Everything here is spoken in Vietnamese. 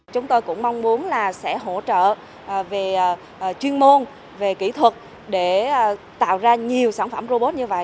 chúng tôi cũng mong muốn là sẽ hỗ trợ về chuyên môn về kỹ thuật để tạo ra nhiều sản phẩm robot như vậy